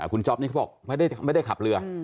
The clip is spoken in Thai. คุณจ๊อปนี่เขาบอกไม่ได้ขับเรือ